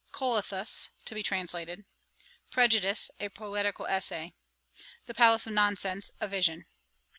'Coluthus, to be translated. 'Prejudice, a poetical essay. 'The Palace of Nonsense, a vision.'